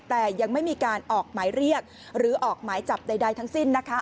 แต่ยังไม่มีการออกหมายเรียกหรือออกหมายจับใดทั้งสิ้นนะคะ